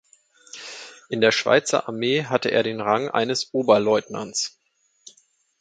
In der Schweizer Armee hatte er den Rang eines Oberstleutnants.